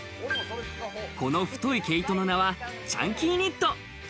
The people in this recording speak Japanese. この太い毛糸の名はチャンキーニット。